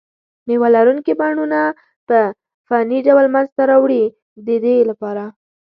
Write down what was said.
مېوه لرونکي بڼونه په فني ډول منځته راوړي دي د دې لپاره.